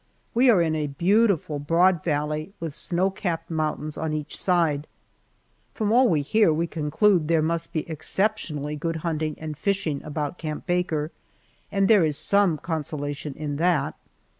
We are in a beautiful broad valley with snow capped mountains on each side. From all we hear we conclude there must be exceptionally good hunting and fishing about Camp Baker, and there is some consolation in that.